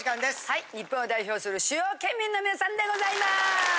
はい日本を代表する主要県民の皆さんでございます。